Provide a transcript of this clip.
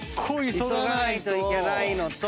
急がないといけないのと。